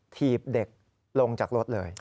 ถีบเด็กลงจากรถเลย